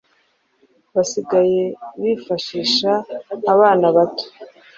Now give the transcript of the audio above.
basigaye bifashisha abana bato